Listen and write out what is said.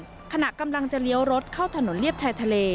มาจากที่ทำงานขณะกำลังจะเลี้ยวรถเข้าถนนเลียบชายทะเล